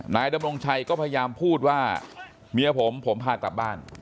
นายดำรงชัยก็พยายามพูดว่าเมียผมผมพากลับบ้าน